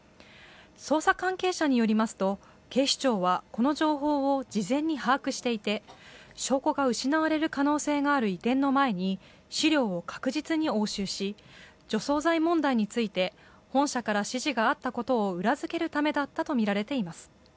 捜査関係者によりますと、警視庁はこの情報を事前に把握していて、証拠が失われる可能性がある移転の前に資料を確実に押収し除草剤問題について本社から指示があったことを裏付けるためだったとみられています。